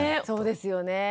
そうですよね。